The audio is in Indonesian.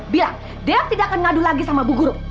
bilang dia tidak akan ngadu lagi sama bu guru